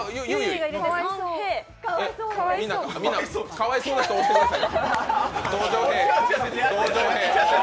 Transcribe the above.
かわいそうと思う人は押してください。